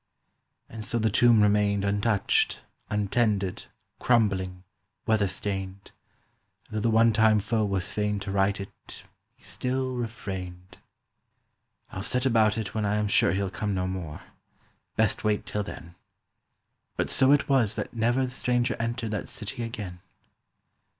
And so the tomb remained Untouched, untended, crumbling, weather stained, And though the one time foe was fain to right it He still refrained. "I'll set about it when I am sure he'll come no more. Best wait till then." But so it was that never the stranger entered That city again.